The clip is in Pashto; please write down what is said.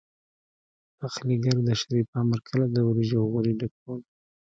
پخليګر د شريف په امر کله د وريجو غوري ډکول.